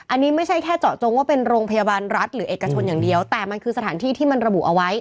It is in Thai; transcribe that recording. อันนี้ไม่ใช่แค่เจาะจงว่าเป็นโรงพยาบาลรัฐหรือเอกชนอย่างเดียวแต่มันคือสถานที่ที่มันระบุเอาไว้